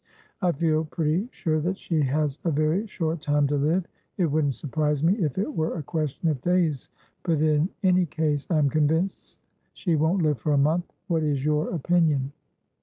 I feel pretty sure that she has a very short time to live; it wouldn't surprise me if it were a question of days, but in any case I am convinced she won't live for a month. What is your opinion?"